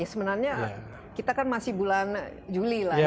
sebenarnya kita kan masih bulan juli lah